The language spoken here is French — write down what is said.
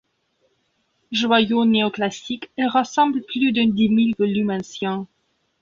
Joyau néo-classique, elle rassemble plus de dix mille volumes anciens.